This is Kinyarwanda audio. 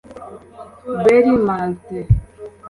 Berry Martin